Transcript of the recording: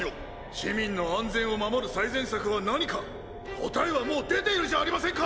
市民の安全を守る最善策は何か答えはもう出ているじゃありませんか！